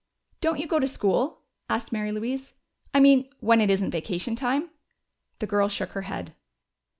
"Don't you go to school?" asked Mary Louise. "I mean when it isn't vacation time?" The girl shook her head.